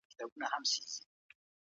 رئيس د ولسي جرګي غونډې رهبري کوي.